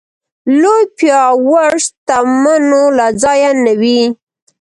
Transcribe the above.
لوی پياوړ شتمنو له ځایه نه وي.